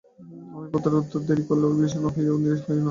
আমি পত্রের উত্তর দিতে দেরী করিলে বিষণ্ণ হইও না বা নিরাশ হইও না।